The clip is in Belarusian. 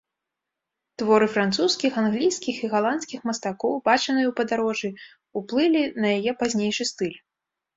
Творы французскіх, англійскіх і галандскіх мастакоў, бачаныя ў падарожжы, уплылі на яе пазнейшы стыль.